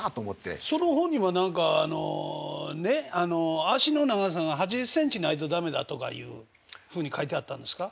その本には何かあの脚の長さが８０センチないと駄目だとかいうふうに書いてあったんですか？